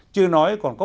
chưa nói còn có